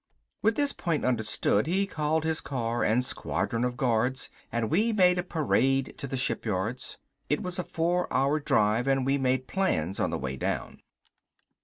With this point understood he called his car and squadron of guards and we made a parade to the shipyards. It was a four hour drive and we made plans on the way down.